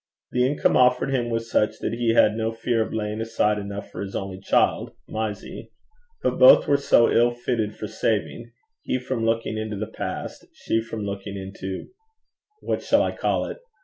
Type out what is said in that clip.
The income offered him was such that he had no doubt of laying aside enough for his only child, Mysie; but both were so ill fitted for saving, he from looking into the past, she from looking into what shall I call it?